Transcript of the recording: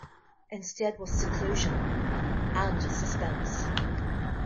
Instead was seclusion — and suspense.